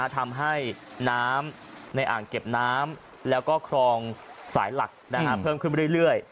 ทำให้น้ำในอ่างเก็บน้ำแล้วก็ครองสายหลักเพิ่มขึ้นไปเรื่อย